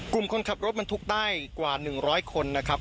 กลุ่มคนขับรถบรรทุกได้กว่า๑๐๐คนนะครับ